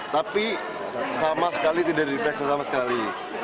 tapi sama sekali tidak diperiksa sama sekali